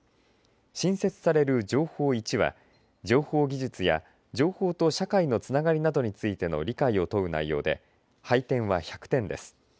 新設される情報１は情報技術や情報と社会のつながりなどについての理解を問う内容で配点は１００点です。